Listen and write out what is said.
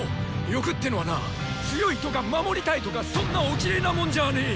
「欲」ってのはなあ「強い」とか「守りたい」とかそんなおキレイなもんじゃねぇ！